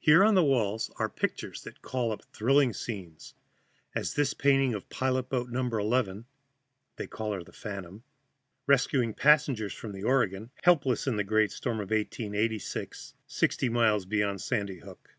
Here on the walls are pictures that call up thrilling scenes, as this painting of pilot boat No. 11 (they call her The Phantom), rescuing passengers from the Oregon, helpless in the great storm of 1886, sixty miles beyond Sandy Hook.